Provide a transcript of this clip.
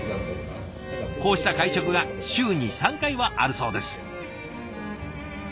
こうした会食が週に３回はあるそうです。